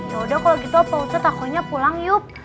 yaudah kalau gitu apa ustadz akunya pulang yuk